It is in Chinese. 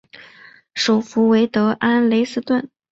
首府为德累斯顿。